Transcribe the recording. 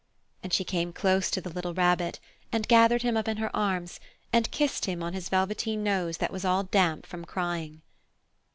And she came close to the little Rabbit and gathered him up in her arms and kissed him on his velveteen nose that was all damp from crying.